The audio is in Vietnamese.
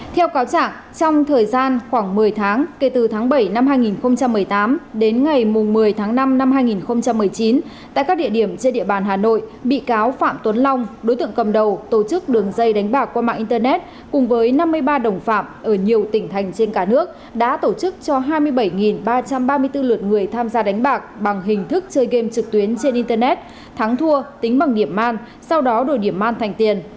theo cáo chẳng trong thời gian khoảng một mươi tháng kể từ tháng bảy năm hai nghìn một mươi tám đến ngày một mươi tháng năm năm hai nghìn một mươi chín tại các địa điểm trên địa bàn hà nội bị cáo phạm tuấn long đối tượng cầm đầu tổ chức đường dây đánh bạc qua mạng internet cùng với năm mươi ba đồng phạm ở nhiều tỉnh thành trên cả nước đã tổ chức cho hai mươi bảy ba trăm ba mươi bốn lượt người tham gia đánh bạc bằng hình thức chơi game trực tuyến trên internet thắng thua tính bằng điểm man sau đó đổi điểm man thành tiền